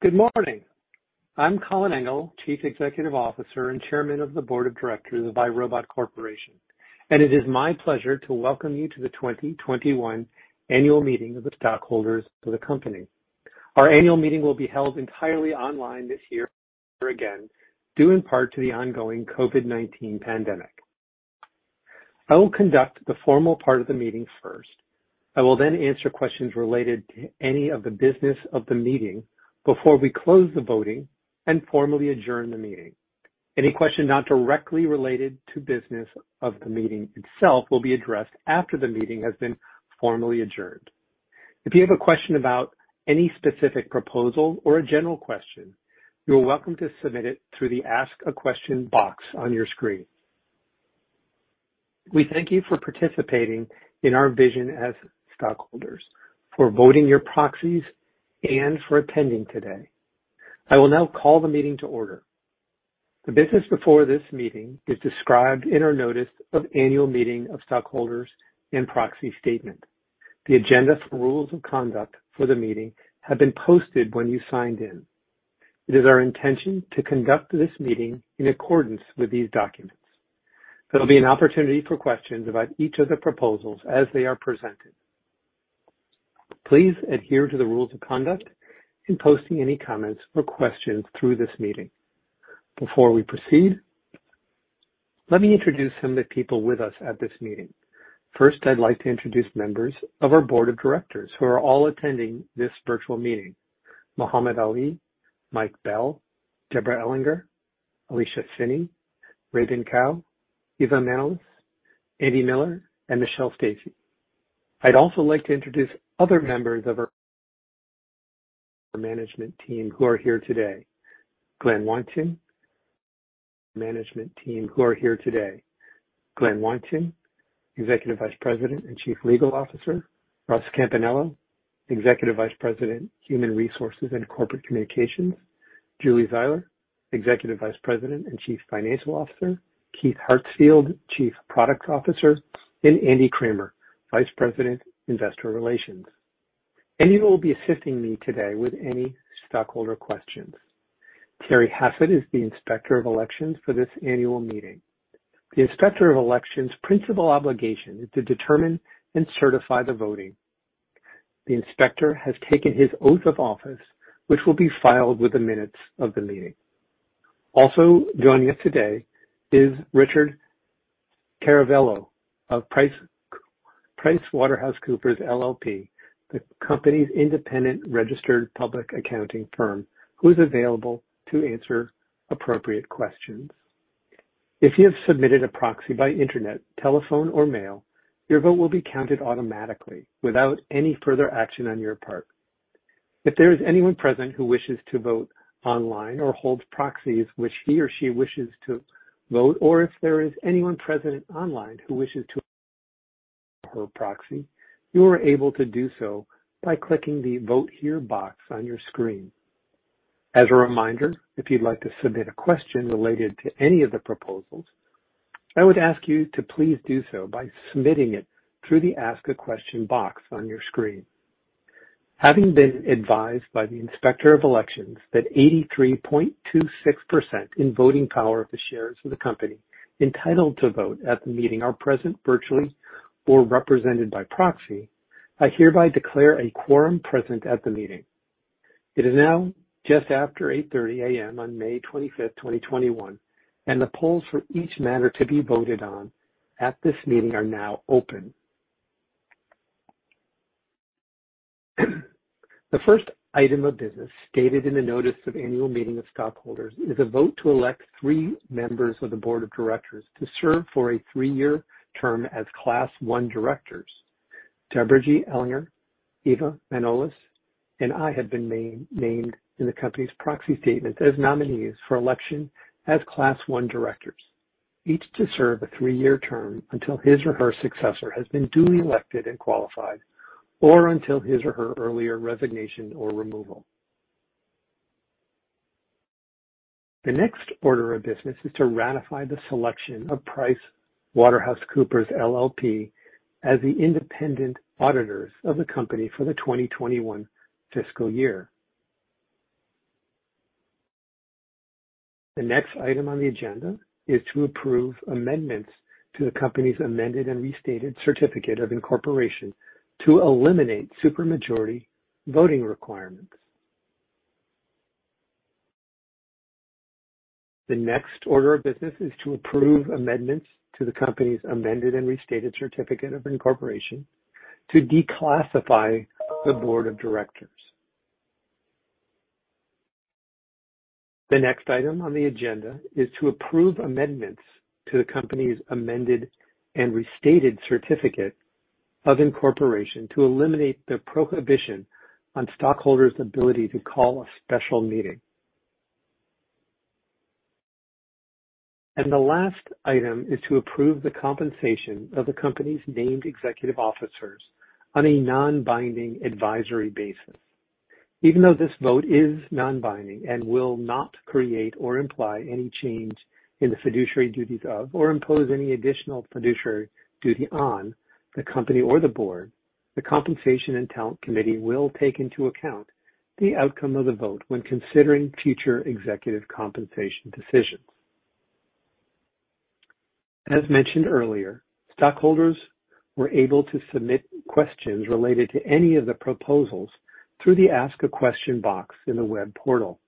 Good morning. I'm Colin Angle, Chief Executive Officer and Chairman of the Board of Directors of iRobot Corporation, and it is my pleasure to welcome you to the 2021 Annual Meeting of the Stockholders of the Company. Our Annual Meeting will be held entirely online this year again, due in part to the ongoing COVID-19 pandemic. I will conduct the formal part of the meeting first. I will then answer questions related to any of the business of the meeting before we close the voting and formally adjourn the meeting. Any question not directly related to business of the meeting itself will be addressed after the meeting has been formally adjourned. If you have a question about any specific proposal or a general question, you're welcome to submit it through the Ask a Question box on your screen. We thank you for participating in our vision as stockholders, for voting your proxies, and for attending today. I will now call the meeting to order. The business before this meeting is described in our Notice of Annual Meeting of Stockholders and Proxy Statement. The Agenda for Rules of Conduct for the meeting have been posted when you signed in. It is our intention to conduct this meeting in accordance with these documents. There will be an opportunity for questions about each of the proposals as they are presented. Please adhere to the rules of conduct in posting any comments or questions through this meeting. Before we proceed, let me introduce some of the people with us at this meeting. First, I'd like to introduce members of our Board of Directors who are all attending this virtual meeting: Mohamad Ali, Mike Bell, Deborah Ellinger, Elisha Finney, Ruey-Bin Kao, Eva Manolis, Andy Miller, and Michelle Stacy. I'd also like to introduce other members of our management team who are here today: Glen Weinstein, Executive Vice President and Chief Legal Officer, Russ Campanello, Executive Vice President, Human Resources and Corporate Communications, Julie Zeiler, Executive Vice President and Chief Financial Officer, Keith Hartsfield, Chief Product Officer, and Andy Kramer, Vice President, Investor Relations. Andy will be assisting me today with any stockholder questions. Terry Hassett is the Inspector of Elections for this Annual Meeting. The Inspector of Elections' principal obligation is to determine and certify the voting. The Inspector has taken his oath of office, which will be filed with the minutes of the meeting. Also joining us today is Richard Caravello of PricewaterhouseCoopers LLP, the company's independent registered public accounting firm, who is available to answer appropriate questions. If you have submitted a proxy by internet, telephone, or mail, your vote will be counted automatically without any further action on your part. If there is anyone present who wishes to vote online or holds proxies which he or she wishes to vote, or if there is anyone present online who wishes to hold her proxy, you are able to do so by clicking the Vote Here box on your screen. As a reminder, if you'd like to submit a question related to any of the proposals, I would ask you to please do so by submitting it through the Ask a Question box on your screen. Having been advised by the Inspector of Elections that 83.26% in voting power of the shares of the company entitled to vote at the meeting are present virtually or represented by proxy, I hereby declare a quorum present at the meeting. It is now just after 8:30 A.M. on May 25th, 2021, and the polls for each matter to be voted on at this meeting are now open. The first item of business stated in the Notice of Annual Meeting of Stockholders is a vote to elect three members of the Board of Directors to serve for a three-year term as Class one Directors. Deborah G. Ellinger, Eva Manolis, and I have been named in the company's proxy statement as nominees for election as Class one Directors, each to serve a three-year term until his or her successor has been duly elected and qualified, or until his or her earlier resignation or removal. The next order of business is to ratify the selection of PricewaterhouseCoopers LLP as the independent auditors of the company for the 2021 fiscal year. The next item on the agenda is to approve amendments to the company's amended and restated certificate of incorporation to eliminate supermajority voting requirements. The next order of business is to approve amendments to the company's amended and restated certificate of incorporation to declassify the Board of Directors. The next item on the agenda is to approve amendments to the company's amended and restated certificate of incorporation to eliminate the prohibition on stockholders' ability to call a special meeting. And the last item is to approve the compensation of the company's named executive officers on a non-binding advisory basis. Even though this vote is non-binding and will not create or imply any change in the fiduciary duties of or impose any additional fiduciary duty on the company or the board, the Compensation and Talent Committee will take into account the outcome of the vote when considering future executive compensation decisions. As mentioned earlier, stockholders were able to submit questions related to any of the proposals through the Ask a Question box in the web portal.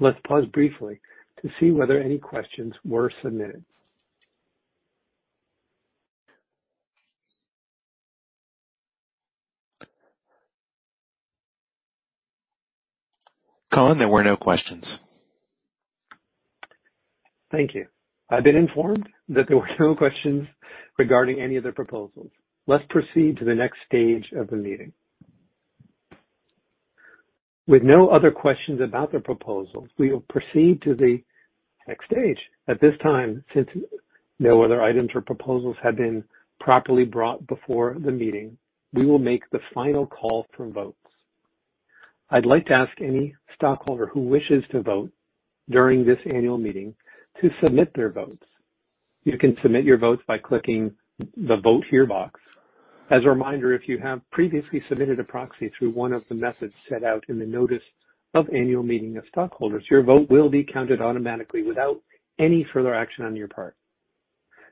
Let's pause briefly to see whether any questions were submitted. Colin, there were no questions. Thank you. I've been informed that there were no questions regarding any of the proposals. Let's proceed to the next stage of the meeting. With no other questions about the proposals, we will proceed to the next stage. At this time, since no other items or proposals have been properly brought before the meeting, we will make the final call for votes. I'd like to ask any stockholder who wishes to vote during this Annual Meeting to submit their votes. You can submit your votes by clicking the Vote Here box. As a reminder, if you have previously submitted a proxy through one of the methods set out in the Notice of Annual Meeting of Stockholders, your vote will be counted automatically without any further action on your part.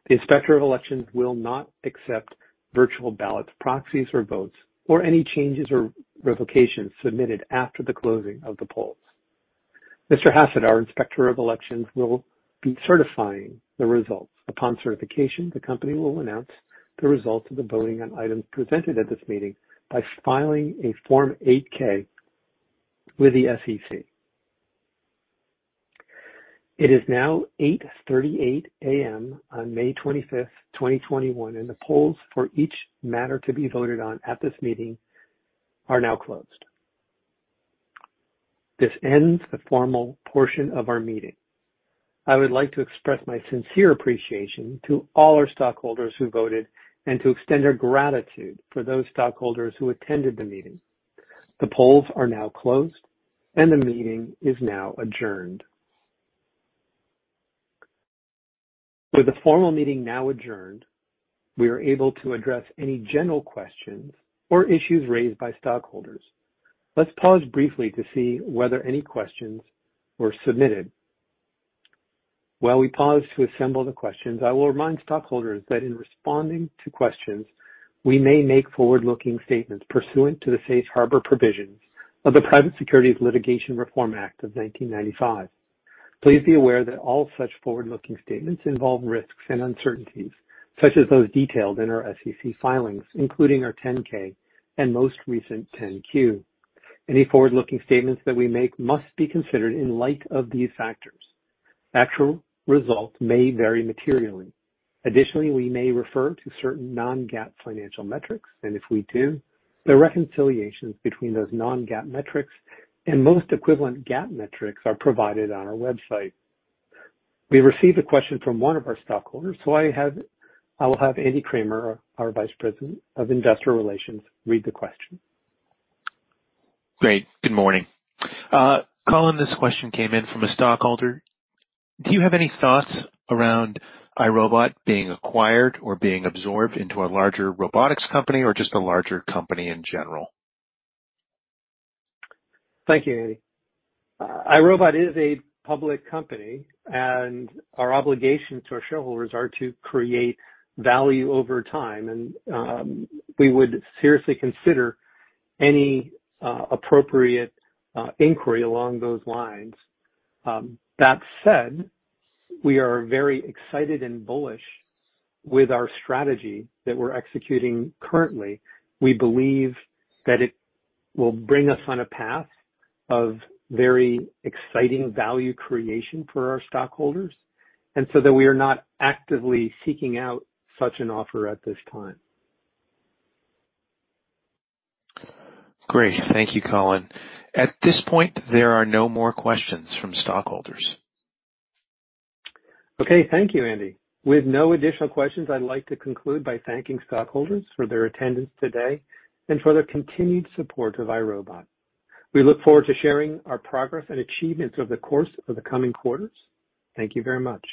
The Inspector of Elections will not accept virtual ballots, proxies, or votes, or any changes or revocations submitted after the closing of the polls. Mr. Hassett, our Inspector of Elections, will be certifying the results. Upon certification, the company will announce the results of the voting on items presented at this meeting by filing a Form 8-K with the SEC. It is now 8:38 A.M. on May 25th, 2021, and the polls for each matter to be voted on at this meeting are now closed. This ends the formal portion of our meeting. I would like to express my sincere appreciation to all our stockholders who voted and to extend our gratitude for those stockholders who attended the meeting. The polls are now closed, and the meeting is now adjourned. With the formal meeting now adjourned, we are able to address any general questions or issues raised by stockholders. Let's pause briefly to see whether any questions were submitted. While we pause to assemble the questions, I will remind stockholders that in responding to questions, we may make forward-looking statements pursuant to the Safe Harbor Provisions of the Private Securities Litigation Reform Act of 1995. Please be aware that all such forward-looking statements involve risks and uncertainties, such as those detailed in our SEC filings, including our 10-K and most recent 10-Q. Any forward-looking statements that we make must be considered in light of these factors. Actual results may vary materially. Additionally, we may refer to certain non-GAAP financial metrics, and if we do, the reconciliations between those non-GAAP metrics and most equivalent GAAP metrics are provided on our website. We received a question from one of our stockholders, so I will have Andy Kramer, our Vice President of Investor Relations, read the question. Great. Good morning. Colin, this question came in from a stockholder. Do you have any thoughts around iRobot being acquired or being absorbed into a larger robotics company or just a larger company in general? Thank you, Andy. iRobot is a public company, and our obligations to our shareholders are to create value over time, and we would seriously consider any appropriate inquiry along those lines. That said, we are very excited and bullish with our strategy that we're executing currently. We believe that it will bring us on a path of very exciting value creation for our stockholders, and so that we are not actively seeking out such an offer at this time. Great. Thank you, Colin. At this point, there are no more questions from stockholders. Okay. Thank you, Andy. With no additional questions, I'd like to conclude by thanking stockholders for their attendance today and for their continued support of iRobot. We look forward to sharing our progress and achievements over the course of the coming quarters. Thank you very much.